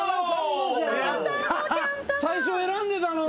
最初選んでたのに。